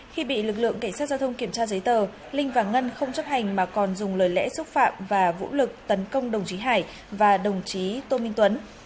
khi bị lực lượng cảnh sát giao thông kiểm tra giấy tờ linh và ngân không chấp hành mà còn dùng lời lẽ xúc phạm và vũ lực tấn công đồng chí hải và đồng chí tô minh tuấn